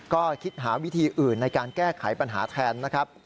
ก็คิดหาวิธีอื่นในการแก้ไขปัญหาแทนนะครับ